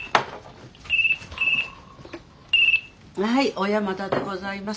☎はい小山田でございます。